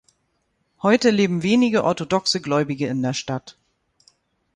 Heute leben wenige orthodoxe Gläubige in der Stadt.